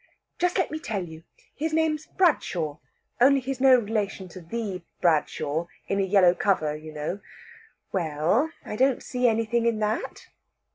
"Just let me tell you. His name's Bradshaw. Only he's no relation to the Bradshaw in a yellow cover, you know. We e ell, I don't see anything in that!"